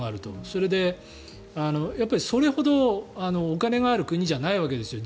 それで、それほどお金がある国じゃないわけですよ